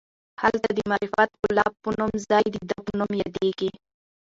هلته د مربعة کلاب په نوم ځای د ده په نوم یادیږي.